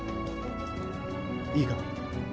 いいか。